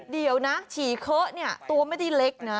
เดี๋ยวนะฉี่เคอะเนี่ยตัวไม่ได้เล็กนะ